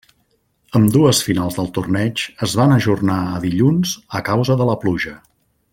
Ambdues finals del torneig es van ajornar a dilluns a causa de la pluja.